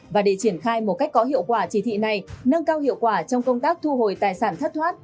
và để triển khai một cách có hiệu quả chỉ thị này nâng cao hiệu quả trong công tác thu hồi tài sản thất thoát